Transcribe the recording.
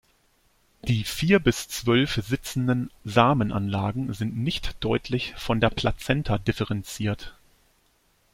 Die vier bis zwölf sitzenden Samenanlagen sind nicht deutlich von der Plazenta differenziert.